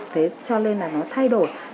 thế cho nên là nó thay đổi